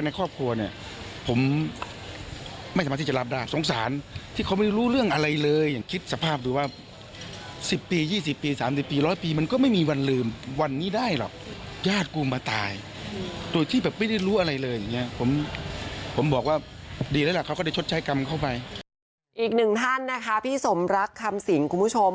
อีกหนึ่งท่านนะคะพี่สมรักคำสิงคุณผู้ชม